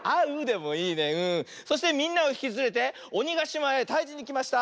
そしてみんなをひきつれておにがしまへたいじにきました！